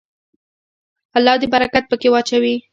الله دې برکت پکې واچوي.